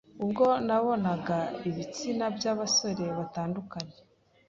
ubwo nabonaga ibitsina by’abasore batandukanye